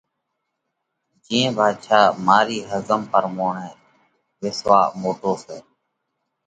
جِيئين ڀاڌشا، مارِي ۿزم پرموڻئہ وِسواه موٽو سئہ۔